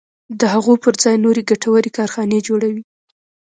د هغو پر ځای نورې ګټورې کارخانې جوړوي.